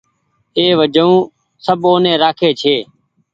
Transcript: اي وجون سب اوني رآکي ڇي